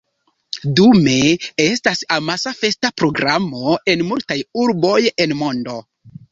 Dume estas amasa festa programo en multaj urboj en mondo.